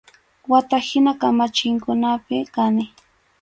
Wata hina kamachinkunapi kani.